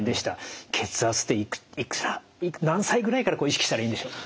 血圧って何歳ぐらいから意識したらいいんでしょう？